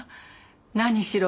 何しろ